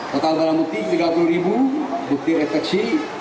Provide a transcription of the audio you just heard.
total barang bukti tiga puluh ribu bukti reteksi